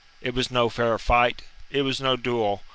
It was no fair fight. It was no duel.